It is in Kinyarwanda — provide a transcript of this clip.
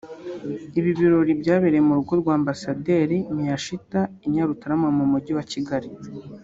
Ibi birori byabereye mu rugo rw’Ambasaderi Miyashita i Nyarutarama mu Mujyi wa Kigali